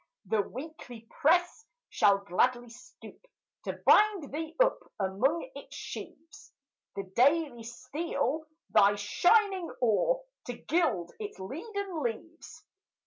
The Weekly press shall gladly stoop To bind thee up among its sheaves; The Daily steal thy shining ore, To gild its leaden leaves.